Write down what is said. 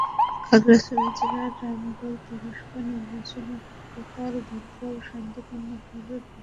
খাগড়াছড়ি জেলার রামগড় পৌরসভা নির্বাচনে গতকাল বুধবার শান্তিপূর্ণভাবে ভোট গ্রহণ সম্পন্ন হয়েছে।